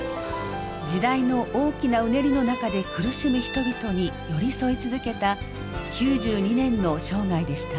時代の大きなうねりの中で苦しむ人々に寄り添い続けた９２年の生涯でした。